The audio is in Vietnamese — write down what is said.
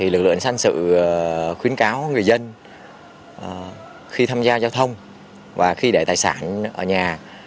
lực lượng sân sự khuyến cáo người dân khi tham gia giao thông và khi để tài sản ở nhà